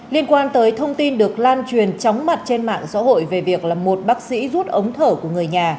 liên quan tới thông tin được lan truyền chóng mặt trên mạng xã hội về việc là một bác sĩ rút ống thở của người nhà